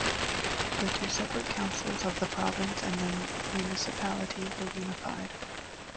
The two separate councils of the province and the municipality were unified.